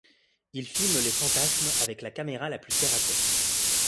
Il filme les phantasmes avec la caméra la plus terre-à-terre.